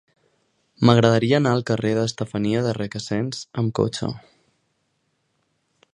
M'agradaria anar al carrer d'Estefania de Requesens amb cotxe.